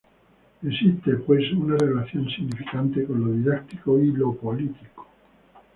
Existe pues una relación significante con lo didáctico y lo político.